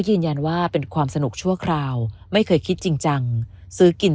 ยืนยันว่าเป็นความสนุกชั่วคราวไม่เคยคิดจริงจังซื้อกิน